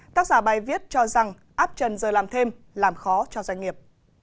tác giả bài viết cho rằng áp trần giờ làm thêm làm khó cho doanh nghiệp